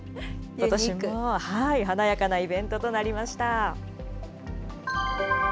ことしも華やかなイベントとなりました。